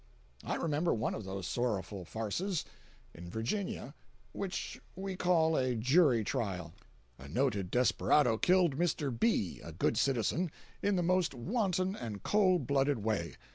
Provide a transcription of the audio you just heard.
I remember one of those sorrowful farces, in Virginia, which we call a jury trial. A noted desperado killed Mr. B., a good citizen, in the most wanton and cold blooded way.